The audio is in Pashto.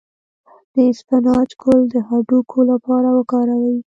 د اسفناج ګل د هډوکو لپاره وکاروئ